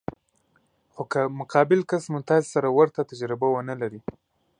خو که مقابل کس مو تاسې سره ورته تجربه ونه لري.